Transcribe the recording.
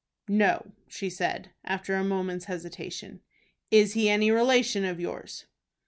"No," she said, after a moment's hesitation. "Is he any relation of yours?"